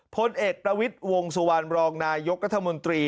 พลเอกประวิทย์วงสุวรรณรองนายกรัฐมนตรี